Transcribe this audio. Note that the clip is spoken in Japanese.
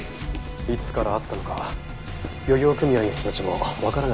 いつからあったのか漁業組合の人たちもわからないと言ってます。